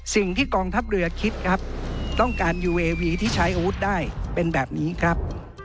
สิ่งที่กองทัพเรือคิดครับต้องการยูเอวีที่ใช้อาวุธได้เป็นแบบนี้ครับ